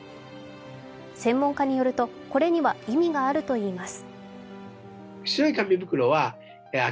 専門家によると、これには意味があるといいます。